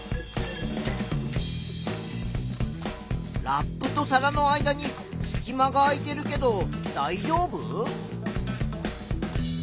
ラップと皿の間にすき間が空いているけどだいじょうぶ？